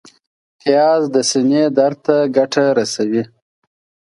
پیاز د سینې درد ته ګټه رسوي